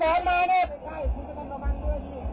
โอ้มันย้อนสอนมาเนี่ย